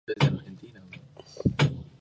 Aunque dotada de talento, no se concentra.